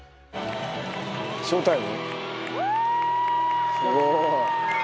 ショータイム？